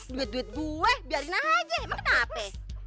duit duit gue biarin aja emang kenapa